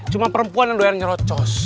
cuma perempuan yang doyan nyurocos